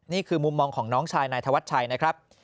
นี่คือมุมมองของน้องชายนายธวัชชัยนะครับ